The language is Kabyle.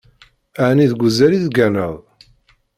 Ɛni deg uzal i tegganeḍ?